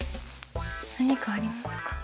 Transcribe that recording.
何かありますか？